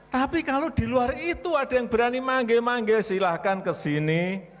tapi kalau di luar itu ada yang berani manggil manggil silakan ke sini